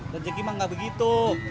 rezeki emang gak begitu